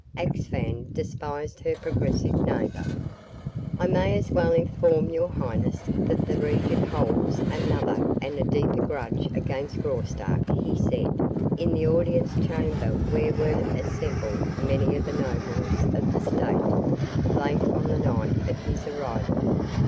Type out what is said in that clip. Axphain despised her progressive neighbor. "I may as well inform your highness that the regent holds another and a deeper grudge against Graustark," he said, in the audience chamber where were assembled many of the nobles of the state, late on the night of his arrival.